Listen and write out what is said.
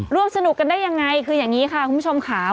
ร่วมสนุกกันได้ยังไงคืออย่างนี้ค่ะคุณผู้ชมค่ะ